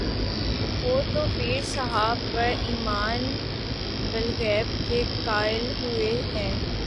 وہ تو پیر صاحب پر ایمان بالغیب کے قائل ہوتے ہیں۔